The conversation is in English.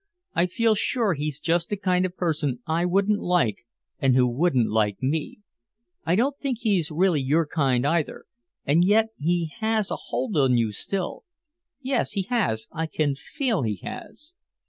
I feel sure he's just the kind of a person I wouldn't like and who wouldn't like me. I don't think he's really your kind either, and yet he has a hold on you still. Yes, he has, I can feel he has."